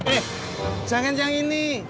eh jangan yang ini